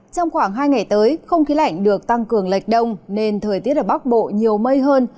trong khoảng hai ngày tới không khí lạnh được tăng cường lệch đông nên thời tiết ở bắc bộ nhiều mây hơn